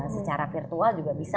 secara virtual juga bisa